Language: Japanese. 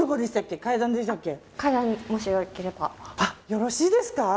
よろしいですか。